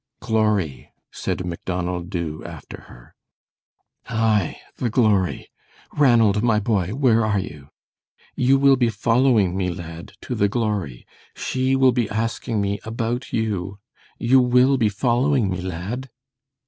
"Glory!" said Macdonald Dubh after her. "Aye, the Glory. Ranald, my boy, where are you? You will be following me, lad, to the Glory. SHE will be asking me about you. You will be following me, lad?"